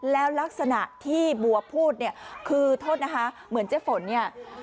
แล้วลักษณะที่บัวพูดเนี่ยคือโทษนะคะเหมือนเจ๊ฝนเนี่ย